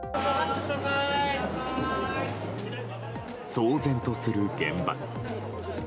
騒然とする現場。